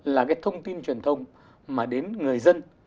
là cái thông tin truyền thông mà đến người dân